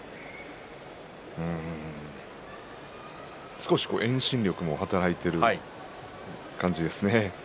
少し遠心力も働いている感じですね。